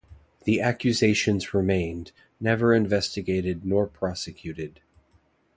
The accusations remained, never investigated nor prosecuted.